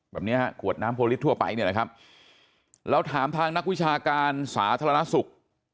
แบบนี้ฮะขวดน้ำโพลิสทั่วไปเนี่ยนะครับเราถามทางนักวิชาการสาธารณสุข